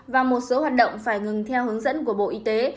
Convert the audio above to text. và một số hoạt động phải ngừng theo hướng dẫn của bộ y tế